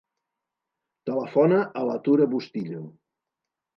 Telefona a la Tura Bustillo.